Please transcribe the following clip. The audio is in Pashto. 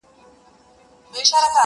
لا یې ساړه دي د برګونو سیوري-